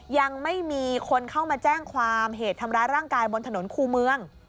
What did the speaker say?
ยังไม่มีคนเข้ามาแจ้งความเหตุทำร้ายร่างกายบนถนนคู่เมือง